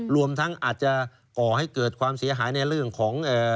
รวมทั้งอาจจะก่อให้เกิดความเสียหายในเรื่องของ